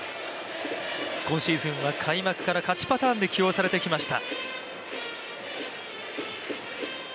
今シーズンは開幕から勝ちパターンで起用されてきました。